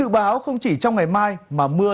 bão không chỉ trong ngày mai mà mưa